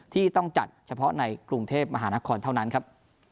ที่ต้องจัดเฉพาะในกรุงเทพมหานครเท่านั้นครับ